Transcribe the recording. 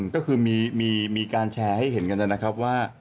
ก็คือมีการแชร์ให้เห็นกันนะครับว่า